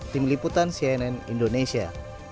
tim liputan cnn indonesia